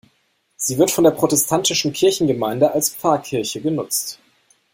Sie wird von der protestantischen Kirchengemeinde als Pfarrkirche genutzt.